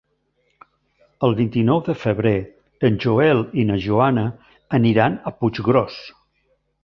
El vint-i-nou de febrer en Joel i na Joana aniran a Puiggròs.